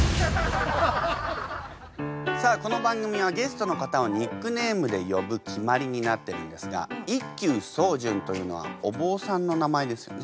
さあこの番組はゲストの方をニックネームで呼ぶ決まりになってるんですが一休宗純というのはお坊さんの名前ですよね。